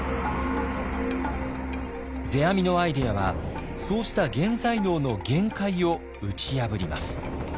世阿弥のアイデアはそうした現在能の限界を打ち破ります。